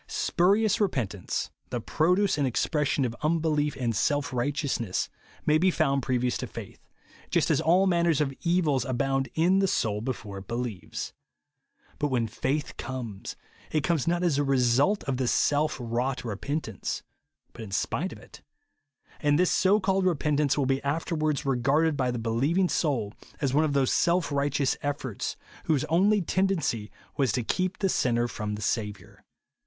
Spurious repentance, the j)roduce and expression of unbelief and self righteousness, may be found previous to faith ;— just as all manner of evils abound in the soul be fore it believes. But when faith comes, it comes not as the result of this self wrought repentance, — but in spite of it ; and this so called repentance will be afterwards regarded by the believing soul as one of those self righteous efforts, whose only tendency was to keep the sinner from the Saviour.